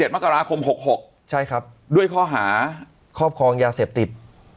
มกราคม๖๖ด้วยข้อหาครอบครองยาเสพติด